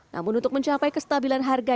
namun untuk mencapai kestabilan harga